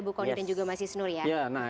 bu kondi dan juga masi snur ya